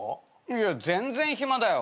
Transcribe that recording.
いや全然暇だよ。